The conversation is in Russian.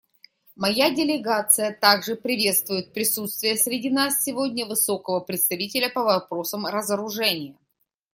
Моя делегация также приветствует присутствие среди нас сегодня Высокого представителя по вопросам разоружения.